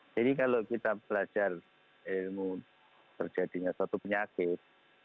jadi kalau kita belajar ilmu terjadinya suatu penyakit